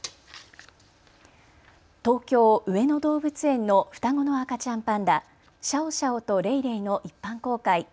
東京上野動物園の双子の赤ちゃんパンダ、シャオシャオとレイレイの一般公開。